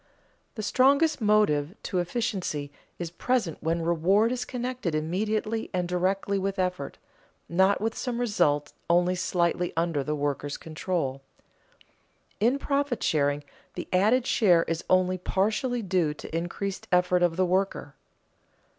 _ The strongest motive to efficiency is present when reward is connected immediately and directly with effort, not with some result only slightly under the worker's control. In profit sharing the added share is only partially due to increased effort of the worker.